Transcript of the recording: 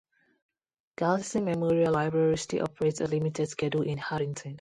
Gallison Memorial Library still operates a limited schedule in Harrington.